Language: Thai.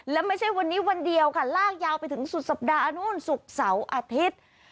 และไม่ใช่วันนี้วันเดียวค่ะลากยาวไปถึงสุดสัปดาห์นู้นศุกร์เสาร์อาทิตย์